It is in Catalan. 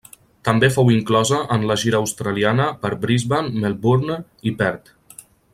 També fou inclosa en la gira australiana per Brisbane, Melbourne i Perth.